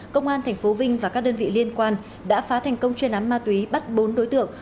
công an tp vinh và các đơn vị liên quan đã phá thành công chuyên án ma túy bắt bốn đối tượng